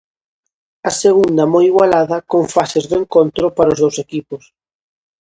A segunda moi igualada, con fases do encontro para os dous equipos.